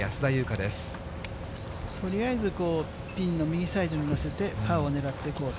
とりあえずピンの右サイドに寄せて、パーを狙っていこうと。